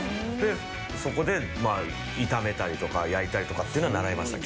そこで炒めたりとか焼いたりとかっていうのは習いました。